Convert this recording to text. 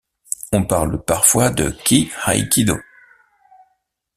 On parle parfois de Ki Aïkido.